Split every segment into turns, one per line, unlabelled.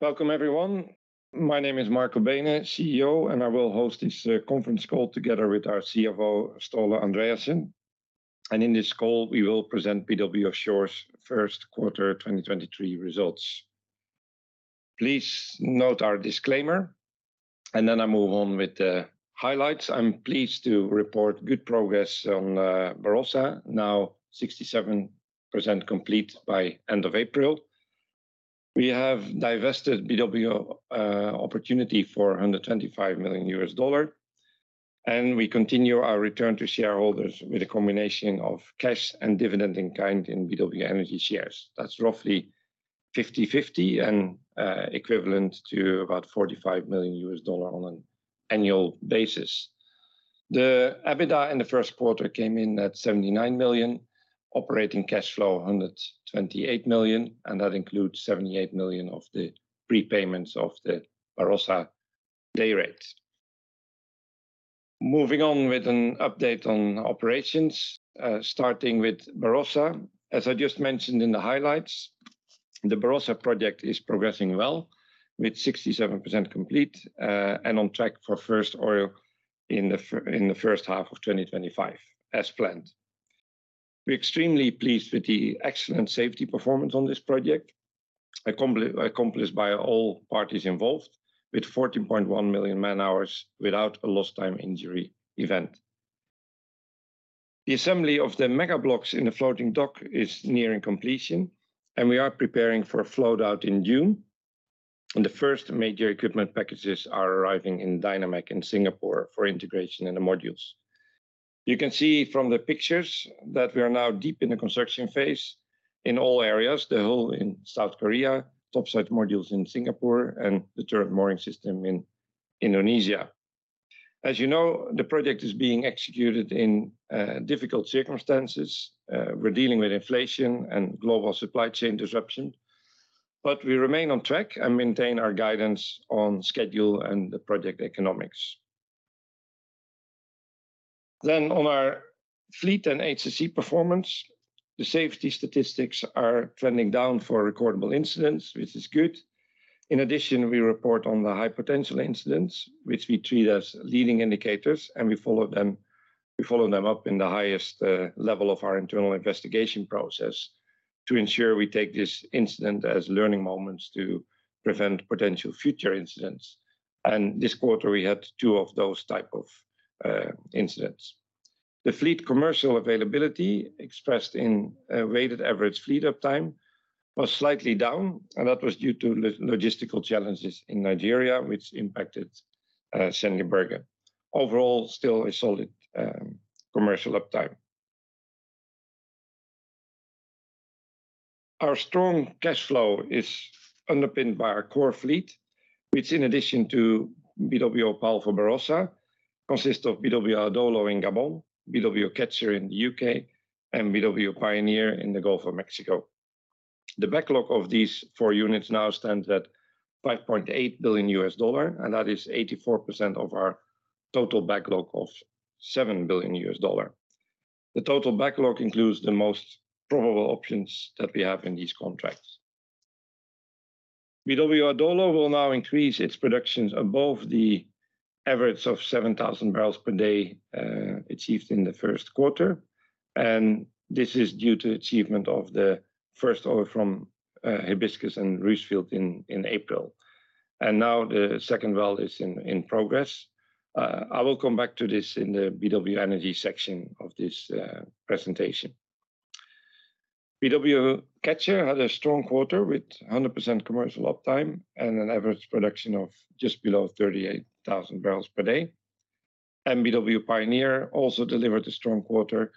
Welcome everyone. My name is Marco Beenen, CEO, I will host this conference call together with our CFO, Ståle Andreassen. In this call, we will present BW Offshore's first quarter 2023 results. Please note our disclaimer, I move on with the highlights. I'm pleased to report good progress on Barossa, now 67% complete by end of April. We have divested BW Opportunity for $125 million, we continue our return to shareholders with a combination of cash and dividend in kind in BW Energy shares. That's roughly 50/50, equivalent to about $45 million on an annual basis. The EBITDA in the first quarter came in at $79 million. Operating cash flow, $128 million, that includes $78 million of the prepayments of the Barossa day rates. Moving on with an update on operations, starting with Barossa. As I just mentioned in the highlights, the Barossa project is progressing well with 67% complete and on track for first oil in the first half of 2025 as planned. We're extremely pleased with the excellent safety performance on this project accomplished by all parties involved with 14.1 million man-hours without a lost time injury event. The assembly of the megablocks in the floating dock is nearing completion, and we are preparing for a float-out in June, and the first major equipment packages are arriving in Dyna-Mac in Singapore for integration in the modules. You can see from the pictures that we are now deep in the construction phase in all areas: the hull in South Korea, topside modules in Singapore, and the turret mooring system in Indonesia. As you know, the project is being executed in difficult circumstances. We're dealing with inflation and global supply chain disruption, but we remain on track and maintain our guidance on schedule and the project economics. On our fleet and HSE performance, the safety statistics are trending down for recordable incidents, which is good. In addition, we report on the high potential incidents, which we treat as leading indicators, and we follow them up in the highest level of our internal investigation process to ensure we take this incident as learning moments to prevent potential future incidents. This quarter, we had two of those type of incidents. The fleet commercial availability, expressed in weighted average fleet uptime, was slightly down, and that was due to logistical challenges in Nigeria, which impacted Sendje Berge. Overall, still a solid commercial uptime. Our strong cash flow is underpinned by our core fleet, which in addition to BW Polvo Barossa, consists of BW Adolo in Gabon, BW Catcher in the U.K., and BW Pioneer in the Gulf of Mexico. The backlog of these four units now stands at $5.8 billion, that is 84% of our total backlog of $7 billion. The total backlog includes the most probable options that we have in these contracts. BW Adolo will now increase its productions above the average of 7,000 barrels per day achieved in the first quarter, this is due to achievement of the first oil from Hibiscus and Ruche Field in April. Now the second well is in progress. I will come back to this in the BW Energy section of this presentation. BW Catcher had a strong quarter with 100% commercial uptime and an average production of just below 38,000 barrels per day. BW Pioneer also delivered a strong quarter,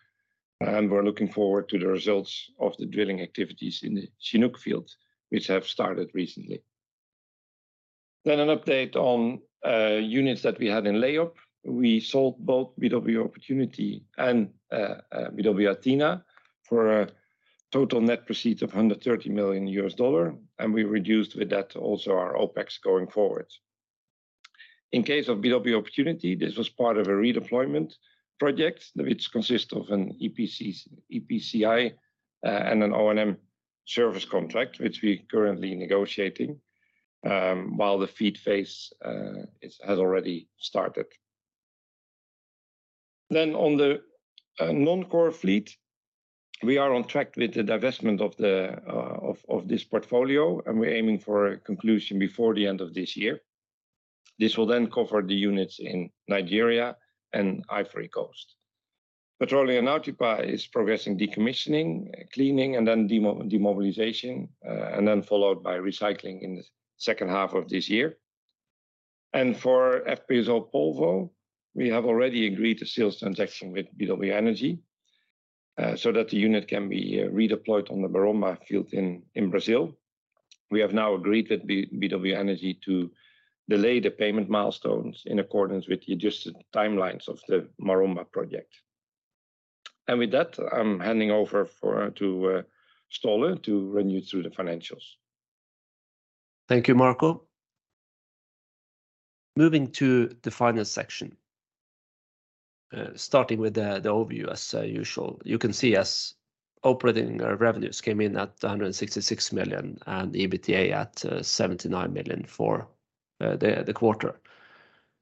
and we're looking forward to the results of the drilling activities in the Chinook field, which have started recently. An update on units that we have in layup. We sold both BW Opportunity and BW Athena for a total net proceeds of $130 million, and we reduced with that also our OpEx going forward. In case of BW Opportunity, this was part of a redeployment project which consists of an EPCI, and an O&M service contract, which we currently negotiating, while the FEED phase has already started. On the non-core fleet, we are on track with the divestment of this portfolio, we're aiming for a conclusion before the end of this year. This will cover the units in Nigeria and Ivory Coast. Petroleo Nautipa is progressing decommissioning, cleaning, demobilization, followed by recycling in the second half of this year. For FPSO Polvo, we have already agreed a sales transaction with BW Energy, so that the unit can be redeployed on the Maromba field in Brazil. We have now agreed with BW Energy to delay the payment milestones in accordance with the adjusted timelines of the Maromba project. With that, I'm handing over to Ståle to run you through the financials. Thank you, Marco.
Moving to the final section. Starting with the overview as usual. You can see as operating revenues came in at $166 million, and EBITDA at $79 million for the quarter.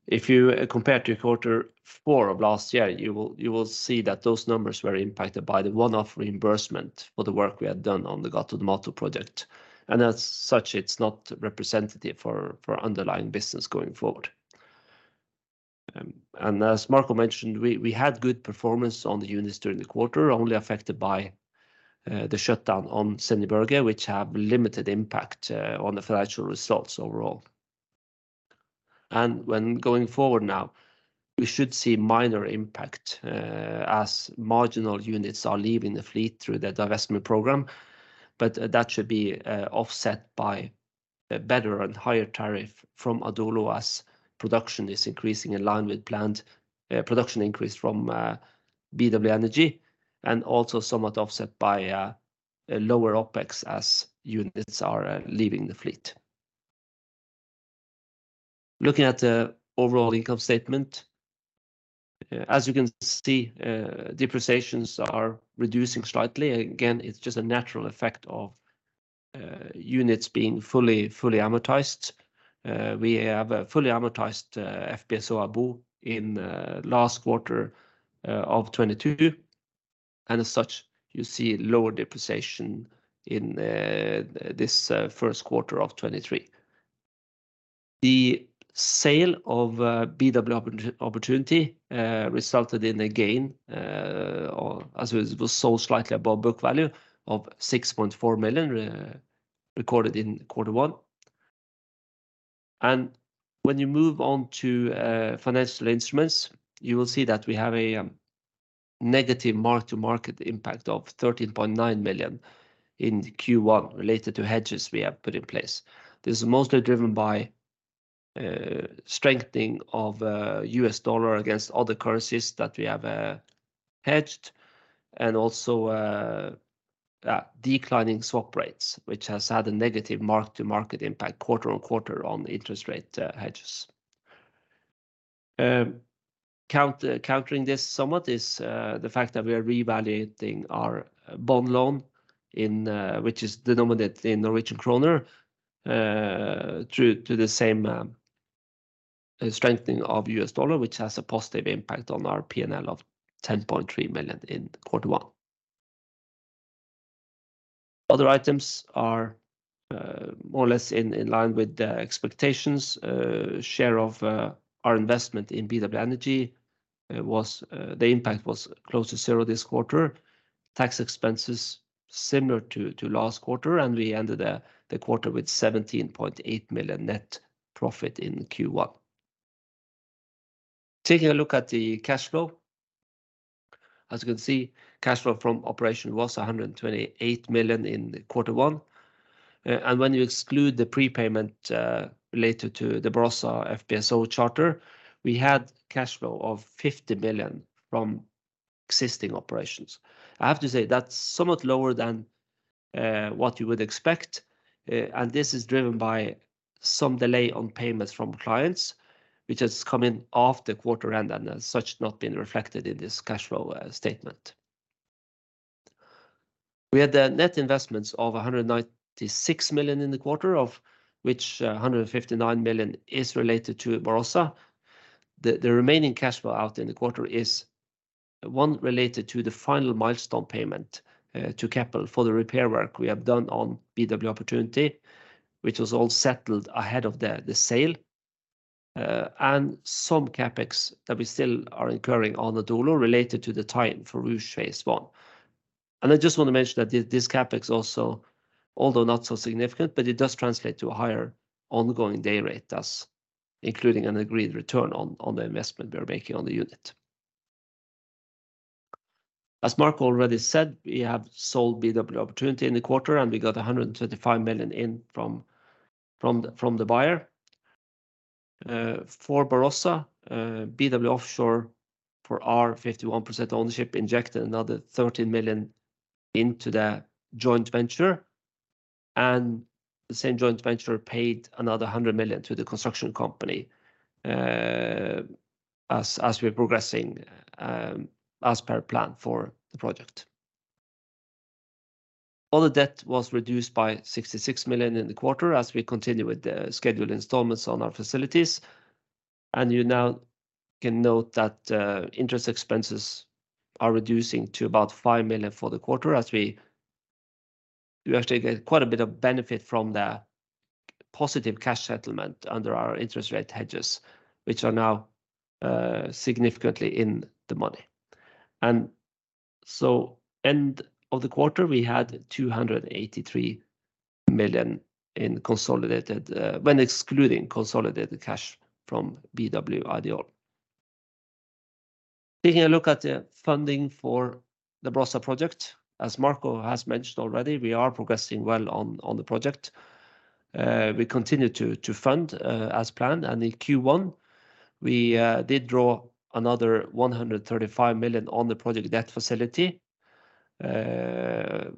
If you compare to quarter four of last year, you will see that those numbers were impacted by the one-off reimbursement for the work we had done on the Gato do Mato project. As such, it's not representative for underlying business going forward. As Marco Beenen mentioned, we had good performance on the units during the quarter, only affected by the shutdown on Sendje Berge, which have limited impact on the financial results overall. When going forward now, we should see minor impact as marginal units are leaving the fleet through the divestment program, but that should be offset by a better and higher tariff from Adolo as production is increasing in line with plant production increase from BW Energy and also somewhat offset by a lower OpEx as units are leaving the fleet. Looking at the overall income statement, as you can see, depreciations are reducing slightly. Again, it's just a natural effect of units being fully amortized. We have fully amortized FPSO Abo in last quarter of 2022. As such, you see lower depreciation in this first quarter of 2023. The sale of BW Opportunity resulted in a gain, or as it was sold slightly above book value of $6.4 million, recorded in Q1. When you move on to financial instruments, you will see that we have a negative mark-to-market impact of $13.9 million in Q1 related to hedges we have put in place. This is mostly driven by strengthening of US dollar against other currencies that we have hedged and also declining swap rates, which has had a negative mark-to-market impact quarter-on-quarter on interest rate hedges. Countering this somewhat is the fact that we are revaluating our bond loan in which is denominated in Norwegian kroner due to the same strengthening of US dollar, which has a positive impact on our P&L of $10.3 million in Q1. Other items are more or less in line with the expectations. Share of our investment in BW Energy was the impact was close to zero this quarter. Tax expenses similar to last quarter, we ended the quarter with $17.8 million net profit in Q1. Taking a look at the cash flow. As you can see, cash flow from operation was $128 million in Q1. When you exclude the prepayment related to the Barossa FPSO charter, we had cash flow of $50 million from existing operations. I have to say that's somewhat lower than what you would expect. This is driven by some delay on payments from clients, which has come in after quarter end and as such not been reflected in this cash flow statement. We had net investments of $196 million in the quarter, of which $159 million is related to Barossa. The remaining cash flow out in the quarter is one related to the final milestone payment to Keppel for the repair work we have done on BW Opportunity, which was all settled ahead of the sale and some CapEx that we still are incurring on Adolo related to the tie-in for Ruche phase I. I just want to mention that this CapEx also, although not so significant, but it does translate to a higher ongoing day rate, thus including an agreed return on the investment we are making on the unit. As Marco already said, we have sold BW Opportunity in the quarter, and we got $135 million in from the buyer. For Barossa, BW Offshore for our 51% ownership injected another $13 million into the joint venture, and the same joint venture paid another $100 million to the construction company, as we're progressing as per plan for the project. All the debt was reduced by $66 million in the quarter as we continue with the scheduled installments on our facilities. You now can note that interest expenses are reducing to about $5 million for the quarter as we actually get quite a bit of benefit from the positive cash settlement under our interest rate hedges, which are now significantly in the money. End of the quarter, we had $283 million in consolidated when excluding consolidated cash from BW Ideol. Taking a look at the funding for the Barossa project. As Marco has mentioned already, we are progressing well on the project. We continue to fund as planned. In Q1, we did draw another $135 million on the project debt facility.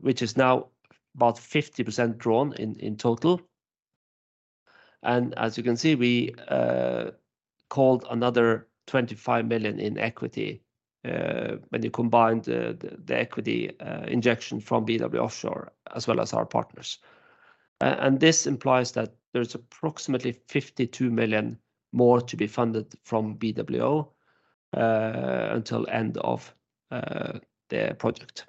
Which is now about 50% drawn in total. As you can see, we called another $25 million in equity when you combine the equity injection from BW Offshore, as well as our partners. This implies that there's approximately $52 million more to be funded from BWO until end of their project.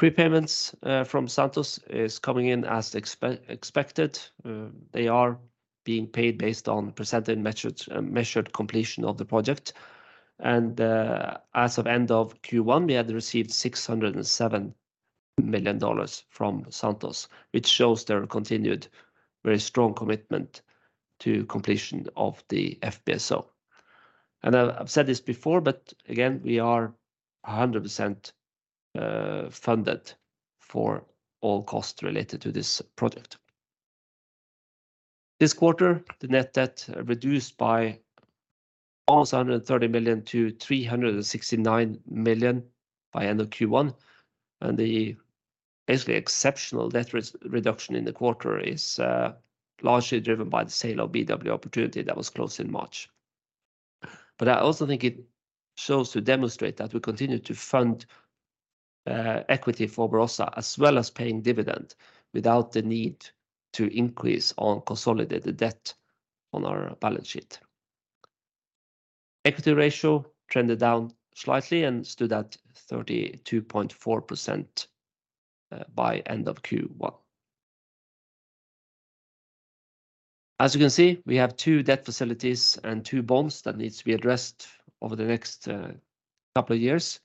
Prepayments from Santos is coming in as expected. They are being paid based on percentage measured completion of the project. As of end of Q1, we had received $607 million from Santos, which shows their continued very strong commitment to completion of the FPSO. I've said this before, but again, we are 100% funded for all costs related to this project. This quarter, the net debt reduced by almost $130 million-$369 million by end of Q1. The basically exceptional debt re-reduction in the quarter is largely driven by the sale of BW Opportunity that was closed in March. I also think it shows to demonstrate that we continue to fund equity for Barossa as well as paying dividend without the need to increase on consolidated debt on our balance sheet. Equity ratio trended down slightly and stood at 32.4% by end of Q1. As you can see, we have two debt facilities and two bonds that needs to be addressed over the next couple of years.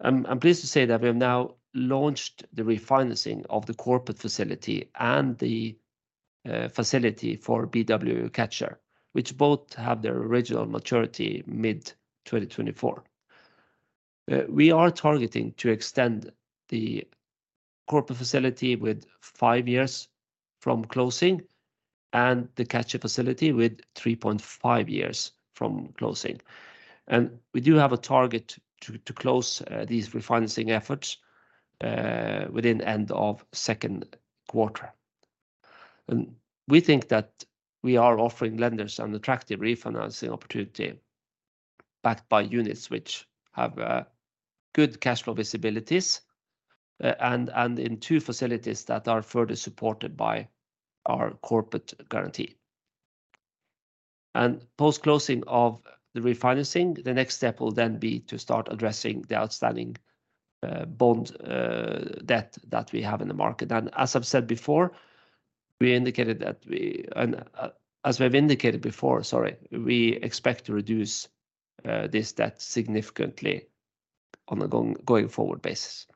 I'm pleased to say that we have now launched the refinancing of the corporate facility and the facility for BW Catcher, which both have their original maturity mid 2024. We are targeting to extend the corporate facility with five years from closing and the Catcher facility with 3.5 years from closing. We do have a target to close these refinancing efforts within end of second quarter. We think that we are offering lenders an attractive refinancing opportunity backed by units which have good cash flow visibilities and in two facilities that are further supported by our corporate guarantee. Post-closing of the refinancing, the next step will then be to start addressing the outstanding bond debt that we have in the market. As I've said before, we indicated that we... As we've indicated before, sorry, we expect to reduce this debt significantly on a gong-going forward basis.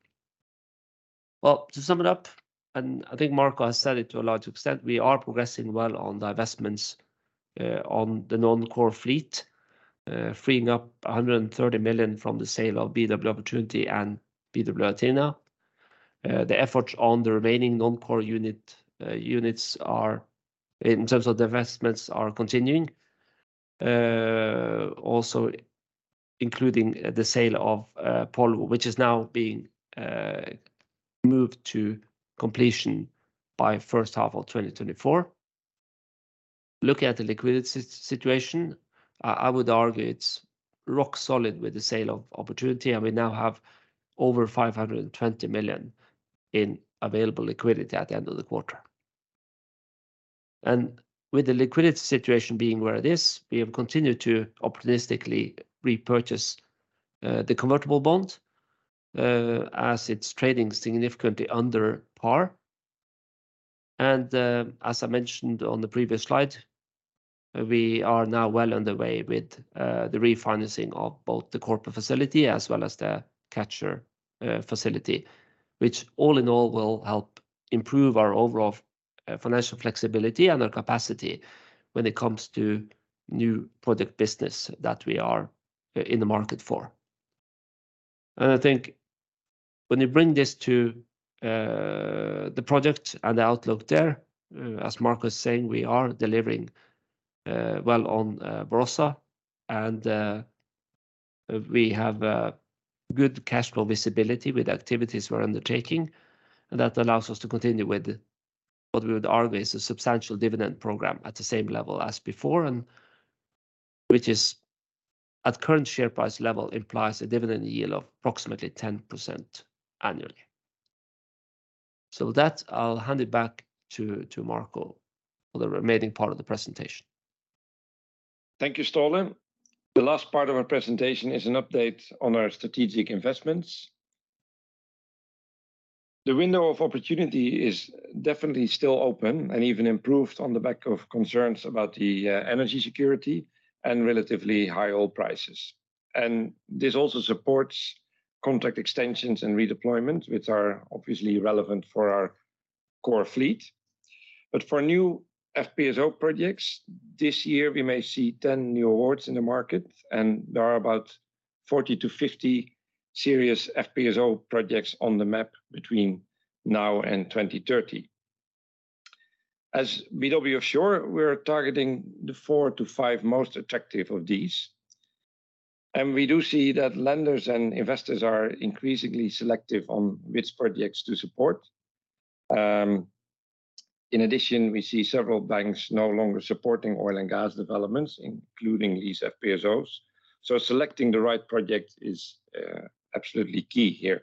To sum it up, and I think Marco has said it to a large extent, we are progressing well on the investments on the non-core fleet, freeing up $130 million from the sale of BW Opportunity and BW Athena. The efforts on the remaining non-core units are, in terms of the investments, are continuing. Also including the sale of Polvo, which is now being moved to completion by first half of 2024. Looking at the liquidity situation, I would argue it's rock solid with the sale of Opportunity, and we now have over $520 million in available liquidity at the end of the quarter. With the liquidity situation being where it is, we have continued to opportunistically repurchase the convertible bond as it's trading significantly under par. As I mentioned on the previous slide, we are now well on the way with the refinancing of both the corporate facility as well as the Catcher facility, which all in all will help improve our overall financial flexibility and our capacity when it comes to new project business that we are in the market for. I think when you bring this to the project and the outlook there, as Marco is saying, we are delivering well on Brasa, and we have a good cash flow visibility with activities we're undertaking. That allows us to continue with what we would argue is a substantial dividend program at the same level as before and which is at current share price level implies a dividend yield of approximately 10% annually. With that, I'll hand it back to Marco for the remaining part of the presentation.
Thank you, Ståle. The last part of our presentation is an update on our strategic investments. The window of opportunity is definitely still open and even improved on the back of concerns about the energy security and relatively high oil prices. This also supports contract extensions and redeployment, which are obviously relevant for our core fleet. For new FPSO projects, this year we may see 10 new awards in the market, and there are about 40-50 serious FPSO projects on the map between now and 2030. As BW Offshore, we're targeting the four-five most attractive of these. We do see that lenders and investors are increasingly selective on which projects to support. In addition, we see several banks no longer supporting oil and gas developments, including these FPSOs. Selecting the right project is absolutely key here.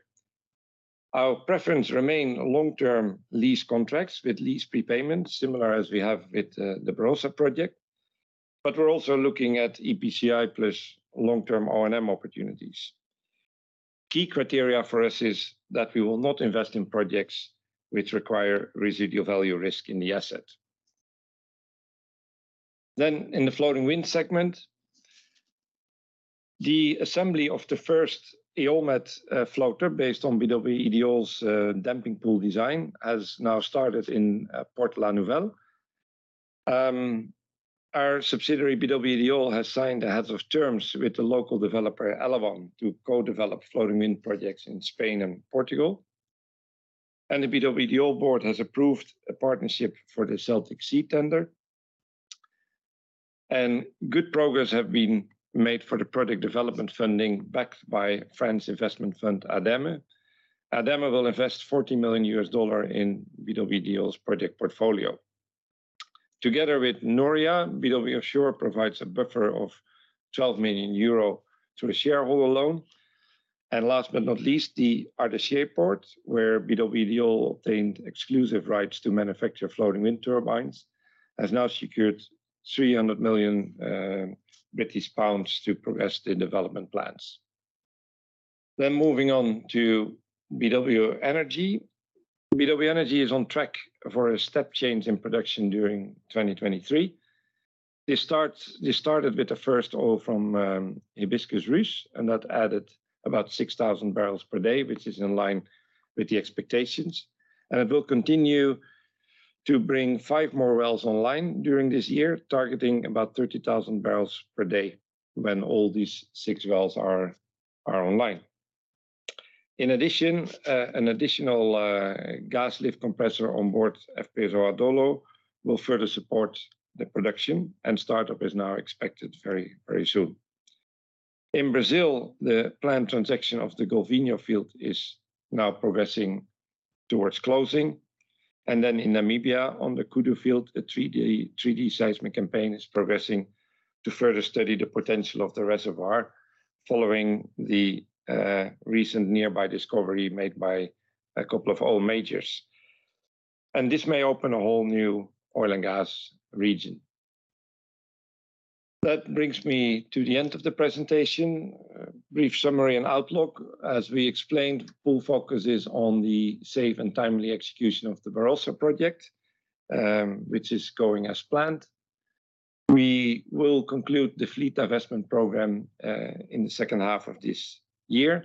Our preference remain long-term lease contracts with lease prepayment, similar as we have with the Barossa project. We're also looking at EPCI plus long-term O&M opportunities. Key criteria for us is that we will not invest in projects which require residual value risk in the asset. In the floating wind segment, the assembly of the first EolMed floater based on BW Ideol's damping pool design has now started in Port La Nouvelle. Our subsidiary, BW Ideol, has signed a heads of terms with the local developer, Elawan Energy, to co-develop floating wind projects in Spain and Portugal. The BW Ideol board has approved a partnership for the Celtic Sea tender. Good progress have been made for the product development funding backed by France Investment Fund ADEME. ADEME will invest $40 million in BW Ideol's project portfolio. Last but not least, the Ardersier Port, where BW Ideol obtained exclusive rights to manufacture floating wind turbines, has now secured 300 million British pounds to progress the development plans. Moving on to BW Energy. BW Energy is on track for a step change in production during 2023. They started with the first oil from Hibiscus/Ruche, and that added about 6,000 barrels per day, which is in line with the expectations. It will continue to bring five more wells online during this year, targeting about 30,000 barrels per day when all these six wells are online. In addition, an additional gas lift compressor on board FPSO Adolo will further support the production. Startup is now expected very, very soon. In Brazil, the planned transaction of the Gouveia field is now progressing towards closing. In Namibia, on the Kudu field, a 3D seismic campaign is progressing to further study the potential of the reservoir following the recent nearby discovery made by a couple of oil majors. This may open a whole new oil and gas region. That brings me to the end of the presentation. Brief summary and outlook. As we explained, full focus is on the safe and timely execution of the Barossa project, which is going as planned. We will conclude the fleet divestment program in the second half of this year.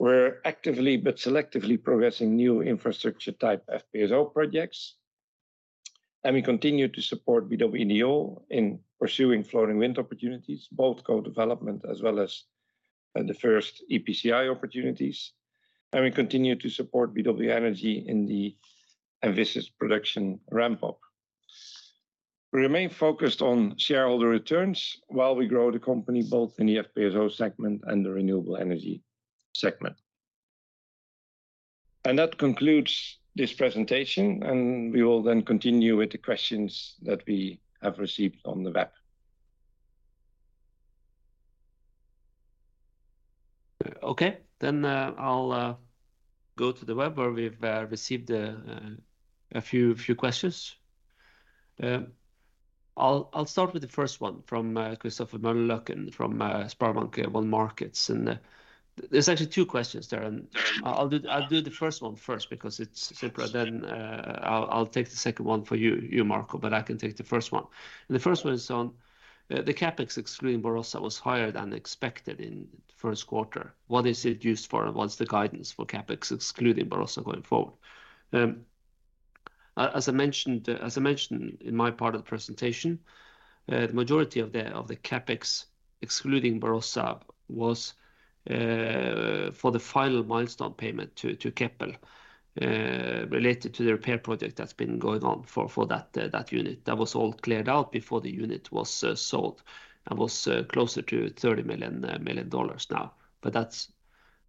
We're actively but selectively progressing new infrastructure type FPSO projects. We continue to support BW Ideol in pursuing floating wind opportunities, both co-development as well as the first EPCI opportunities. We continue to support BW Energy in the ambitious production ramp-up. We remain focused on shareholder returns while we grow the company, both in the FPSO segment and the renewable energy segment. That concludes this presentation, we will then continue with the questions that we have received on the web.
Okay, I'll go to the web where we've received a few questions. I'll start with the first one from Christopher Møllerløkken from SpareBank 1 Markets. There's actually two questions there, I'll do the first one first because it's simpler. I'll take the second one for you, Marco, but I can take the first one. The CapEx excluding Barossa was higher than expected in first quarter. What is it used for, and what's the guidance for CapEx excluding Barossa going forward? As I mentioned in my part of the presentation, the majority of the CapEx excluding Barossa was for the final milestone payment to Keppel related to the repair project that's been going on for that unit. That was all cleared out before the unit was sold and was closer to $30 million now. That's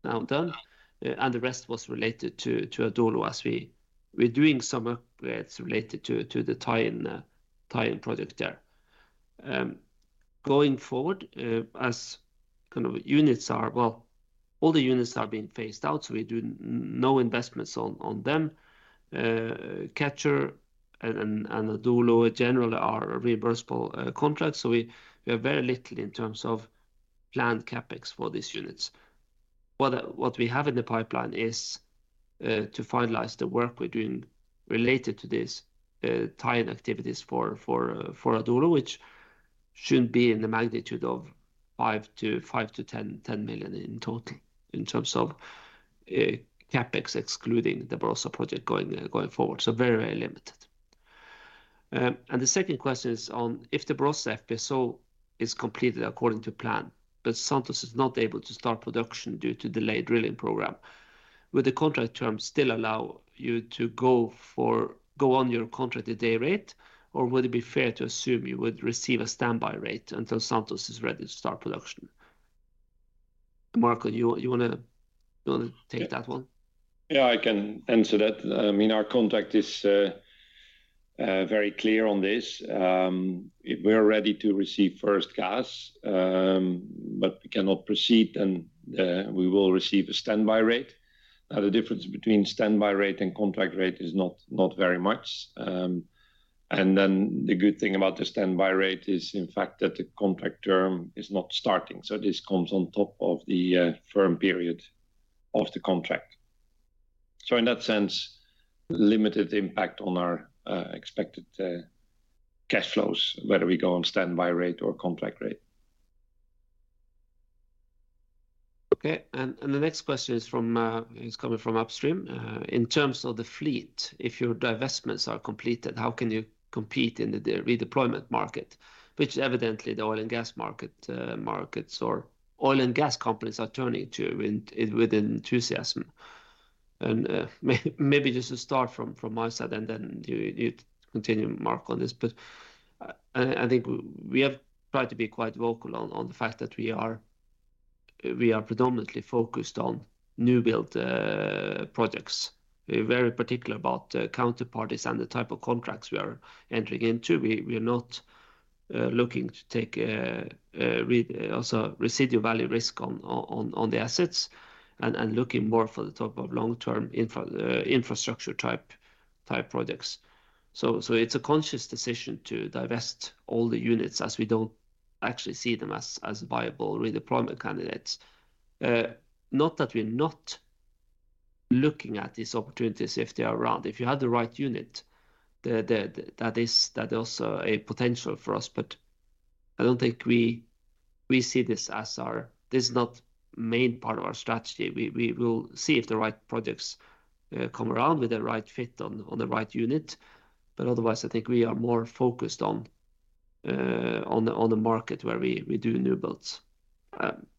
now done, and the rest was related to Adolo as we're doing some upgrades related to the tie-in project there. Going forward, as kind of units are, all the units are being phased out, we do no investments on them. Catcher and Adolo generally are reversible contracts, we have very little in terms of planned CapEx for these units. What we have in the pipeline is to finalize the work we're doing related to this tie-in activities for Adolo, which should be in the magnitude of $5 million-$10 million in total in terms of CapEx excluding the Barossa project going forward. Very limited. The second question is on if the Barossa FPSO is completed according to plan, but Santos is not able to start production due to delayed drilling program, will the contract terms still allow you to go on your contracted day rate, or would it be fair to assume you would receive a standby rate until Santos is ready to start production? Marco, you wanna take that one?
Yeah, I can answer that. I mean, our contract is very clear on this. If we are ready to receive first gas, but we cannot proceed, we will receive a standby rate. The difference between standby rate and contract rate is not very much. The good thing about the standby rate is in fact that the contract term is not starting. This comes on top of the firm period of the contract. In that sense, limited impact on our expected cash flows, whether we go on standby rate or contract rate.
Okay. The next question is coming from upstream. In terms of the fleet, if your divestments are completed, how can you compete in the redeployment market, which evidently the oil and gas markets or oil and gas companies are turning to with enthusiasm? Maybe just to start from my side and then you continue, Marco, on this. I think we have tried to be quite vocal on the fact that we are predominantly focused on new build projects. We're very particular about counterparties and the type of contracts we are entering into. We are not looking to take also residual value risk on the assets and looking more for the type of long-term infrastructure type projects. It's a conscious decision to divest all the units as we don't actually see them as viable redeployment candidates. Not that we're not looking at these opportunities if they are around. If you had the right unit, that is also a potential for us. I don't think we see this as our. This is not main part of our strategy. We will see if the right projects come around with the right fit on the right unit. Otherwise, I think we are more focused on the market where we do new builds.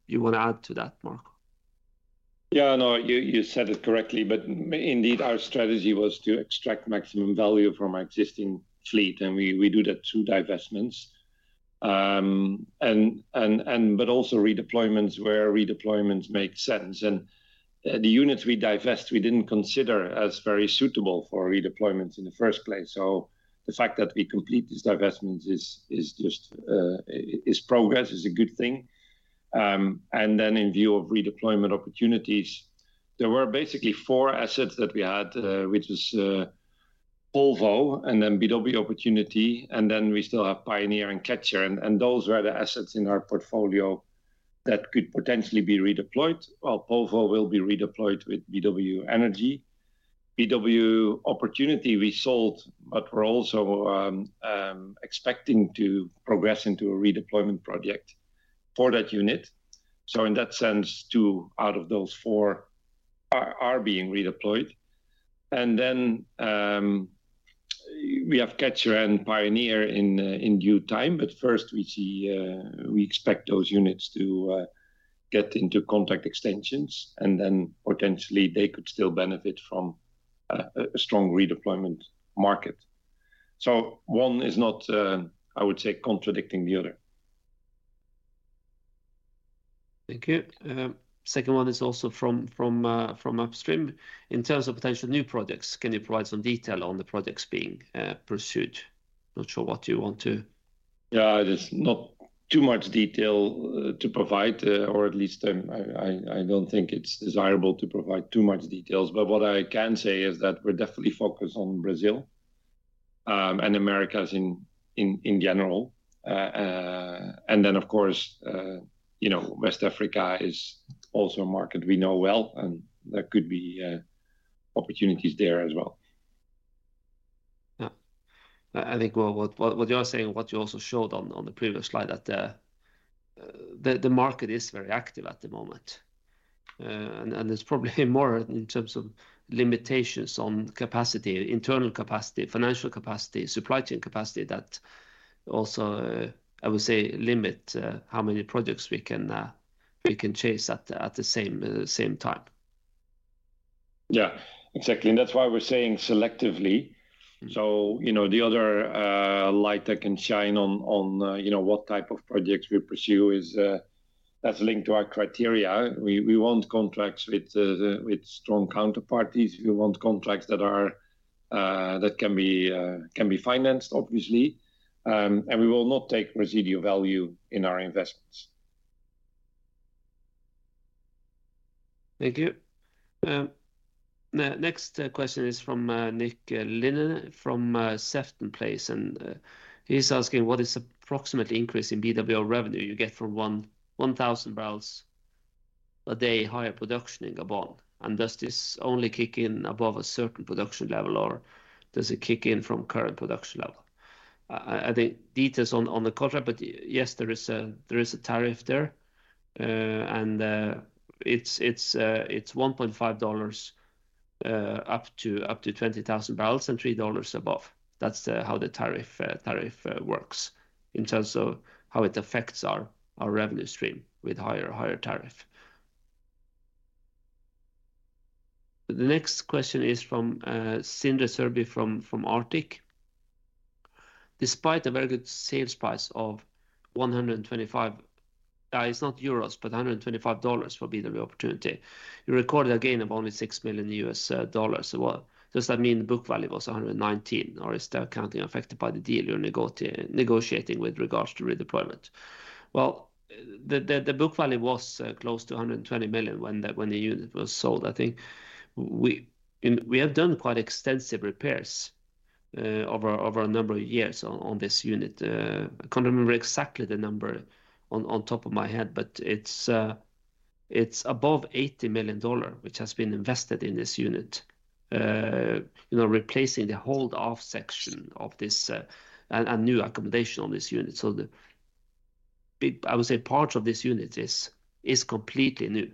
You wanna add to that, Marco?
Yeah. No, you said it correctly, but indeed our strategy was to extract maximum value from our existing fleet, and we do that through divestments, but also redeployments where redeployments make sense. The units we divest, we didn't consider as very suitable for redeployments in the first place. The fact that we complete these divestments is just progress, is a good thing. In view of redeployment opportunities, there were basically four assets that we had, which was Polvo and then BW Opportunity, and then we still have BW Pioneer and BW Catcher. Those were the assets in our portfolio that could potentially be redeployed. Well, Polvo will be redeployed with BW Energy. BW Opportunity we sold, but we're also expecting to progress into a redeployment project for that unit. In that sense, two out of those four are being redeployed. We have Catcher and Pioneer in due time. First we see, we expect those units to get into contract extensions, and then potentially they could still benefit from a strong redeployment market. One is not, I would say contradicting the other.
Thank you. Second one is also from upstream. In terms of potential new projects, can you provide some detail on the projects being pursued? Not sure what you want to.
Yeah. There's not too much detail to provide, or at least, I don't think it's desirable to provide too much details. What I can say is that we're definitely focused on Brazil and Americas in general. Of course, you know, West Africa is also a market we know well, and there could be opportunities there as well.
Yeah. I think what you are saying, what you also showed on the previous slide, that the market is very active at the moment. There's probably more in terms of limitations on capacity, internal capacity, financial capacity, supply chain capacity that also, I would say limit how many projects we can chase at the same time.
Yeah, exactly. That's why we're saying selectively. You know, the other light that can shine on, you know, what type of projects we pursue is that's linked to our criteria. We want contracts with strong counterparties. We want contracts that can be financed obviously. We will not take residual value in our investments.
Thank you. Next question is from Nick Linnane from Sefton Place, he's asking what is approximate increase in BW revenue you get from 1,000 barrels a day higher production in Gabon? Does this only kick in above a certain production level, or does it kick in from current production level? I think details on the contract, but yes, there is a tariff there. It's $1.5 up to 20,000 barrels and $3 above. That's how the tariff works in terms of how it affects our revenue stream with higher tariff. The next question is from Cinder Serby from Arctic. Despite a very good sales price of $125... it's not euros, but $125 for BW Opportunity, you recorded a gain of only $6 million. Does that mean the book value was $119 million, or is the accounting affected by the deal you're negotiating with regards to redeployment? The book value was close to $120 million when the unit was sold. I think we have done quite extensive repairs over a number of years on this unit. I can't remember exactly the number on top of my head, but it's above $80 million which has been invested in this unit. You know, replacing the hold-off section of this, and new accommodation on this unit. The big...I would say part of this unit is completely new,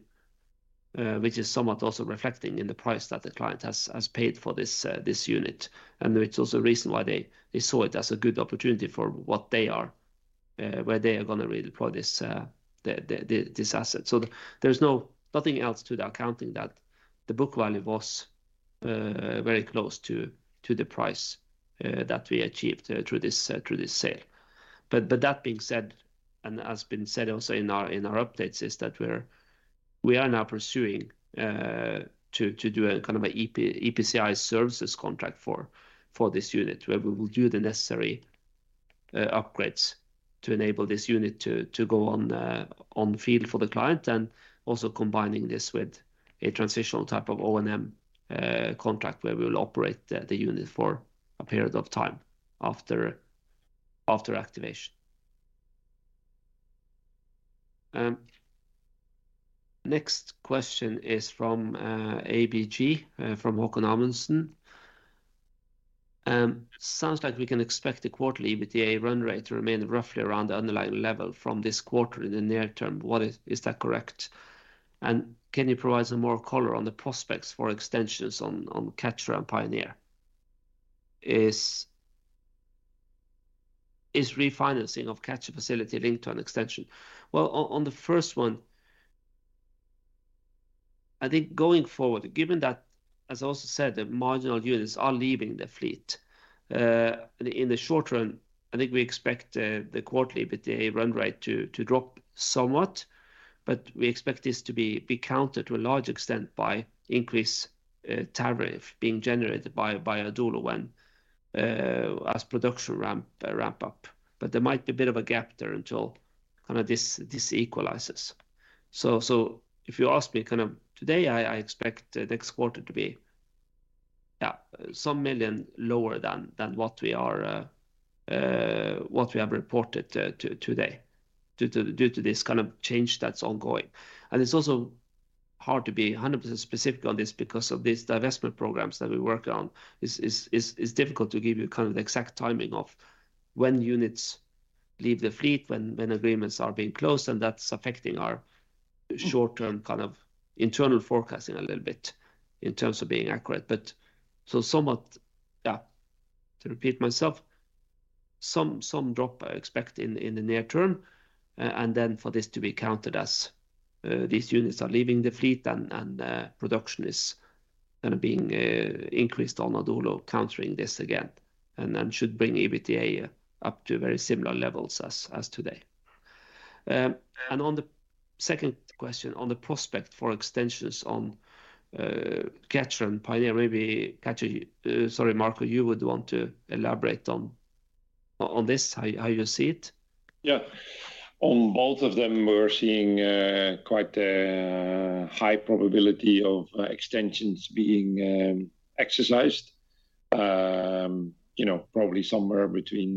which is somewhat also reflecting in the price that the client has paid for this unit. It's also the reason why they saw it as a good opportunity for what they are, where they are gonna redeploy this asset. There's nothing else to the accounting that the book value was very close to the price that we achieved through this sale. That being said, and has been said also in our, in our updates, is that we are now pursuing to do a kind of an EPCI services contract for this unit, where we will do the necessary upgrades to enable this unit to go on field for the client. Also combining this with a transitional type of O&M contract, where we will operate the unit for a period of time after activation. Next question is from ABG, from Haakon Amundsen. Sounds like we can expect the quarterly EBITDA run rate to remain roughly around the underlying level from this quarter in the near term. Is that correct? Can you provide some more color on the prospects for extensions on Catcher and Pioneer? Is refinancing of Catcher facility linked to an extension? Well, on the first one, I think going forward, given that, as I also said, the marginal units are leaving the fleet. In the short term, I think we expect the quarterly EBITDA run rate to drop somewhat, but we expect this to be countered to a large extent by increased tariff being generated by BW Adolo when as production ramp up. But there might be a bit of a gap there until kinda this equalizes. If you ask me kind of today, I expect the next quarter to be some million lower than what we are what we have reported today due to this kind of change that's ongoing. It's also hard to be 100% specific on this because of these divestment programs that we work on. It's difficult to give you kind of the exact timing of when units leave the fleet, when agreements are being closed, and that's affecting our short-term kind of internal forecasting a little bit in terms of being accurate. Somewhat, yeah, to repeat myself, some drop I expect in the near term, and then for this to be countered as these units are leaving the fleet and production is kind of being increased on BW Adolo countering this again. Then should bring EBITDA up to very similar levels as today. On the second question, on the prospect for extensions on Catcher and Pioneer, maybe Catcher, sorry, Marco, you would want to elaborate on this, how you see it.
Yeah. On both of them we're seeing quite a high probability of extensions being exercised. You know, probably somewhere between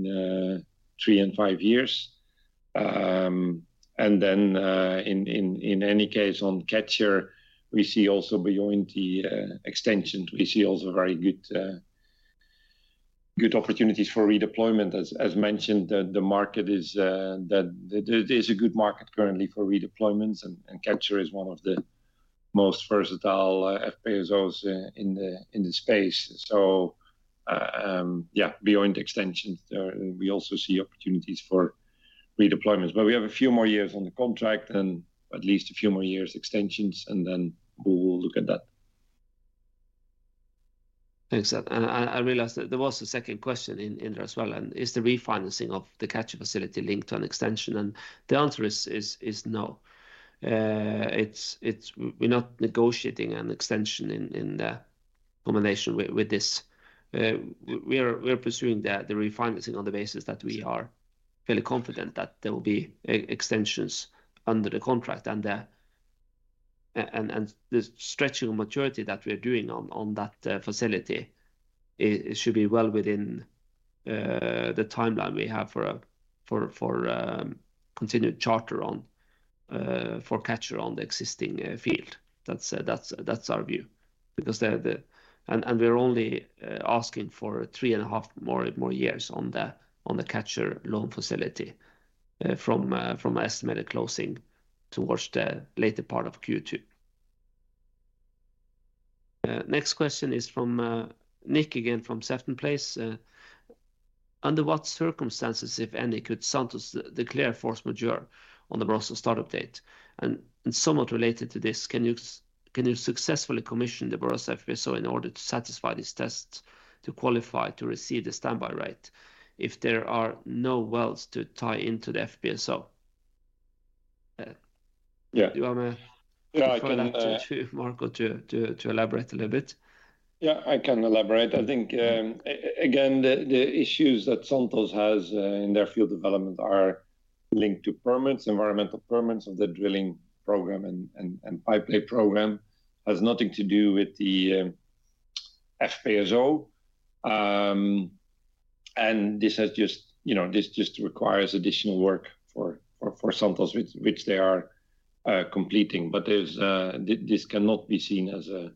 three and five years. In any case on Catcher, we see also beyond the extensions, we see also very good opportunities for redeployment. As mentioned, the market is there is a good market currently for redeployments and Catcher is one of the most versatile FPSOs in the space. Yeah, beyond extensions, we also see opportunities for redeployments. We have a few more years on the contract and at least a few more years extensions, and then we will look at that.
Thanks. I realized that there was a second question in there as well, is the refinancing of the Catcher facility linked to an extension? The answer is no. We're not negotiating an extension in combination with this. We are pursuing the refinancing on the basis that we are fairly confident that there will be e-extensions under the contract. The stretching of maturity that we're doing on that facility should be well within the timeline we have for continued charter for Catcher on the existing field. That's our view. Because the... We're only asking for three and a half more years on the Catcher loan facility from estimated closing towards the later part of Q2. Next question is from Nick again from Sefton Place. Under what circumstances, if any, could Santos declare force majeure on the Barossa start-up date? Somewhat related to this, can you successfully commission the Barossa FPSO in order to satisfy these tests to qualify to receive the standby rate if there are no wells to tie into the FPSO?
Yeah.
Do you want me...
Yeah, I can....
to forward that to Marco to elaborate a little bit?
Yeah, I can elaborate. I think, again, the issues that Santos has in their field development are linked to permits, environmental permits of the drilling program and pipe lay program. Has nothing to do with the FPSO. This has just, you know, this just requires additional work for Santos which they are completing. This cannot be seen as a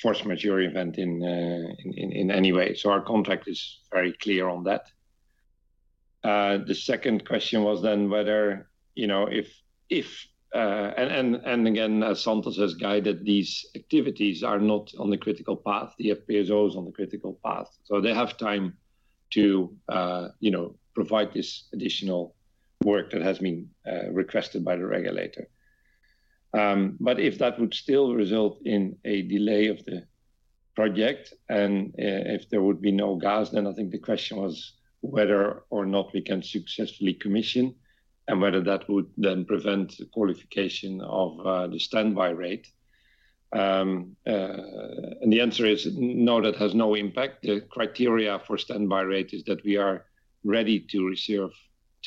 force majeure event in any way. Our contract is very clear on that. The second question was then whether, you know, if again, as Santos has guided, these activities are not on the critical path. The FPSO is on the critical path, so they have time to, you know, provide this additional work that has been requested by the regulator. If that would still result in a delay of the project and if there would be no gas, then I think the question was whether or not we can successfully commission and whether that would then prevent the qualification of the standby rate. The answer is no, that has no impact. The criteria for standby rate is that we are ready to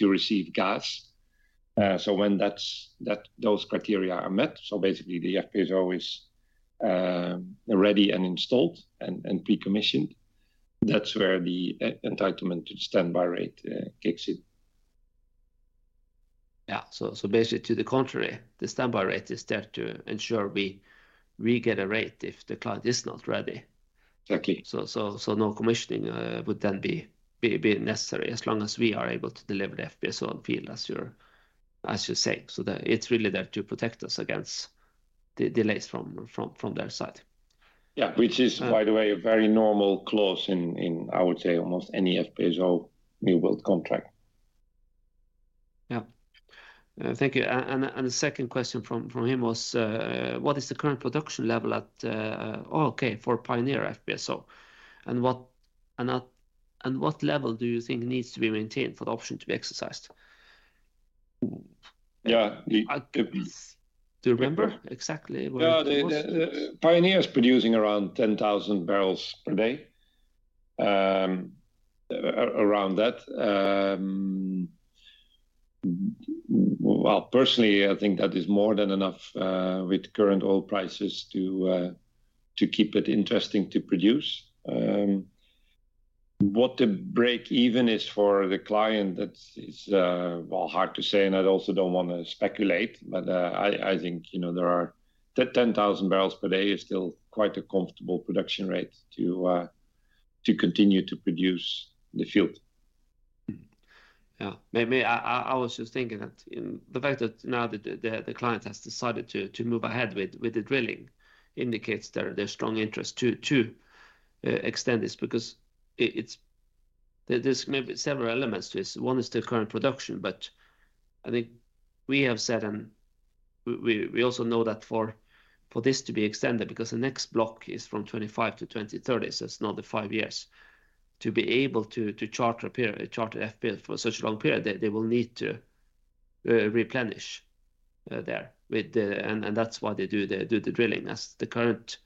receive gas. When those criteria are met, so basically the FPSO is ready and installed and pre-commissioned, that's where the entitlement to standby rate kicks in.
Yeah. Basically to the contrary, the standby rate is there to ensure we get a rate if the client is not ready.
Exactly.
No commissioning would then be necessary as long as we are able to deliver the FPSO on field, as you say. It's really there to protect us against the delays from their side.
Yeah. Which is, by the way, a very normal clause in, I would say, almost any FPSO new build contract.
Yeah. Thank you. The second question from him was, what is the current production level at, okay, for Pioneer FPSO, and what level do you think needs to be maintained for the option to be exercised?
Yeah.
Do you remember exactly what it was?
No, the BW Pioneer is producing around 10,000 barrels per day, around that. Well, personally, I think that is more than enough with current oil prices to keep it interesting to produce. What the break even is for the client, that is well, hard to say, and I also don't wanna speculate. I think, you know, there are. 10,000 barrels per day is still quite a comfortable production rate to continue to produce the field.
Maybe I was just thinking that in the fact that now that the client has decided to move ahead with the drilling indicates their strong interest to extend this because it's. There's maybe several elements to this. One is the current production, but I think we have said and we also know that for this to be extended, because the next block is from 2025 to 2030, so it's another five years, to be able to charter a period, charter FPSO for such a long period, they will need to replenish there with the. That's why they do the drilling as the current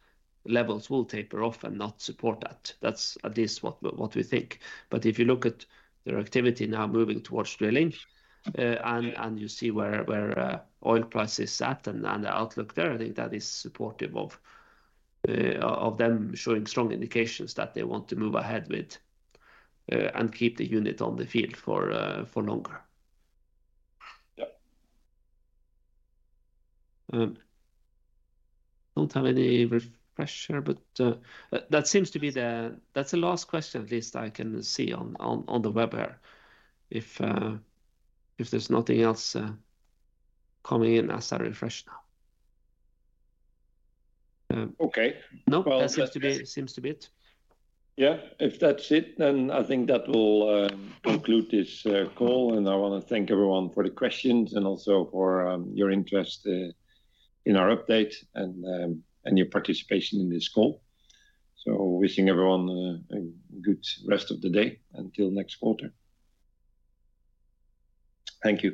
levels will taper off and not support that. That's at least what we think. If you look at their activity now moving towards drilling, and you see where oil price is at and the outlook there, I think that is supportive of them showing strong indications that they want to move ahead with, and keep the unit on the field for longer.
Yeah.
Don't have any refresher, but that's the last question at least I can see on the web here if there's nothing else coming in as I refresh now.
Okay. Well, that's.
No, that seems to be it.
Yeah. If that's it, then I think that will conclude this call. I wanna thank everyone for the questions and also for your interest in our update and your participation in this call. Wishing everyone a good rest of the day until next quarter. Thank you.